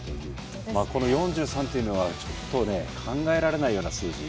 この４３というのはちょっとね考えられないような数字。